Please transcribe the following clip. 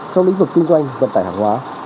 trong lĩnh vực kinh doanh vận tải hàng hóa